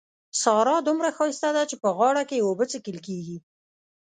سارا دومره ښايسته ده چې په غاړه کې يې اوبه څښل کېږي.